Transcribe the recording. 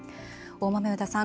大豆生田さん